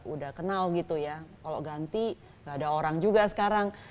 udah kenal gitu ya kalau ganti gak ada orang juga sekarang